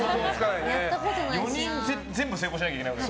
４人絶対成功しなきゃいけない。